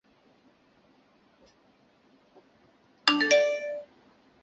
沙瓦讷勒维龙是瑞士联邦西部法语区的沃州下设的一个镇。